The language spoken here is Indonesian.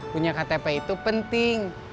punya ktp itu penting